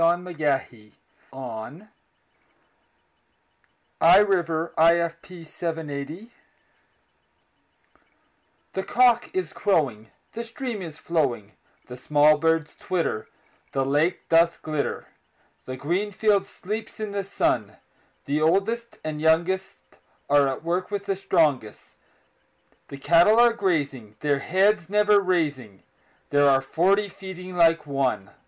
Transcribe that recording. William Wordsworth Written in March THE cock is crowing, The stream is flowing, The small birds twitter, The lake doth glitter The green field sleeps in the sun; The oldest and youngest Are at work with the strongest; The cattle are grazing, Their heads never raising; There are forty feeding like one!